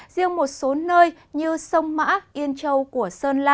riêng một số nơi như sông mã yên châu của sông mã